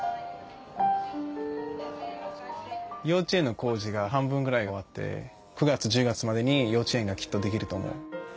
幼稚園の工事が半分ぐらい終わって９月１０月までに幼稚園がきっとできると思う。